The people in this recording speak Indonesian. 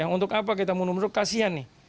untuk apa kita mundur mundur kasihan nih